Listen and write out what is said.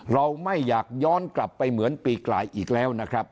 เราไม่อยากย้อนกลับไปเหมือนปีกลายอีกแล้วนะครับ